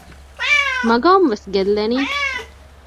މަގާމް ވެސް ގެއްލެނީ؟